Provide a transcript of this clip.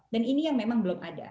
dan ini yang memang belum ada